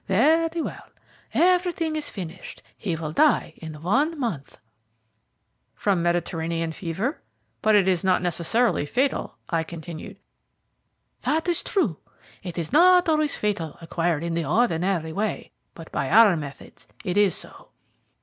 "Very well. Everything is finished he will die in one month." "From Mediterranean fever? But it is not necessarily fatal," I continued. "That is true. It is not always fatal acquired in the ordinary way, but by our methods it is so."